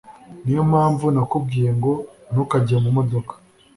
niyo mpamvu nakubwiye ngo ntukajye mu modoka